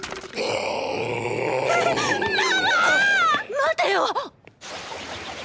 待てよっ！